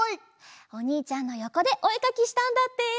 おにいちゃんのよこでおえかきしたんだって。